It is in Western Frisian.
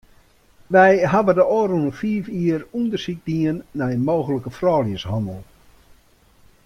Wy hawwe de ôfrûne fiif jier ûndersyk dien nei mooglike frouljushannel.